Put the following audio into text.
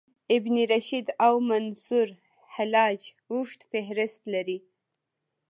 ابن رشد او منصورحلاج اوږد فهرست لري.